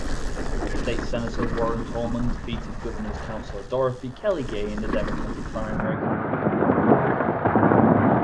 State Senator Warren Tolman defeated Governor's Councilor Dorothy Kelly Gay in the Democratic primary.